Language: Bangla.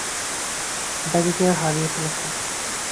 যাকে কেউ হারিয়ে ফেলেছে।